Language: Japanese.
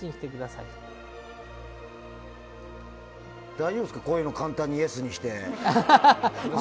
大丈夫ですかこういうの簡単にイエスにして。